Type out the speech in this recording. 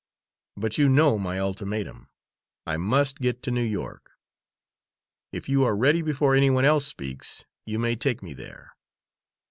But you know my ultimatum I must get to New York. If you are ready before any one else speaks, you may take me there."